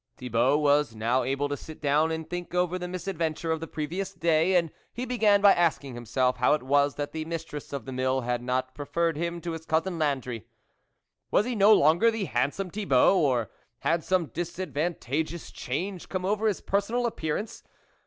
Thibault was now able to sit down and think over the misadventure of the previous day, and he began by asking himself how it was that the mistress of the Mill had not pre ferred him to his cousin Landry. Was he no longer the handsome Thibault, or had some disadvantageous change come over his personal appearance